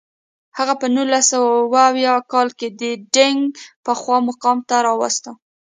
هغه په نولس سوه اووه اویا کال کې دینګ پخوا مقام ته راوست.